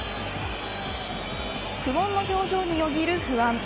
苦悶の表情によぎる不安。